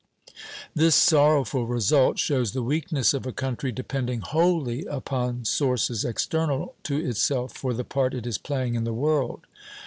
This sorrowful result shows the weakness of a country depending wholly upon sources external to itself for the part it is playing in the world.